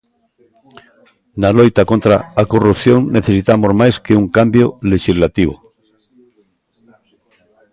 Na loita contra a corrupción necesitamos máis que un cambio lexislativo.